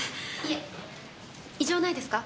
いえ異常ないですか？